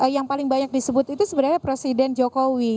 yang paling banyak disebut itu sebenarnya presiden jokowi